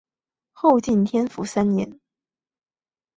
后晋天福三年。